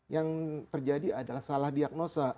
yang terjadi adalah salah diagnosa